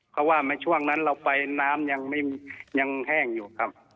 เพราะว่าในช่วงนั้นเราไปน้ำยังแห้งอยู่ครับ